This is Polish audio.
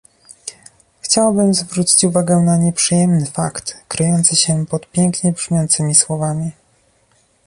Chciałabym zwrócić uwagę na nieprzyjemny fakt kryjący się pod pięknie brzmiącymi słowami